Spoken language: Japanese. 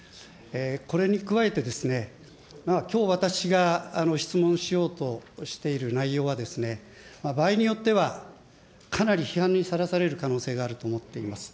これに加えて、きょう、私が質問しようとしている内容は、場合によっては、かなり批判にさらされる可能性があると思っています。